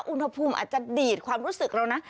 อุณหภูมิอาจจะดีดความรู้สึกเรานะ